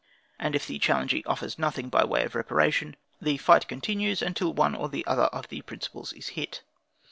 And if the challengee offers nothing by way of reparation, the fight continues until one or the other of the principals is hit.